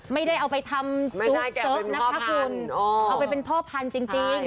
ไม่ได้เอาไปทำซุปเซิร์ฟนะคะคุณเอาไปเป็นพ่อพันธุ์จริง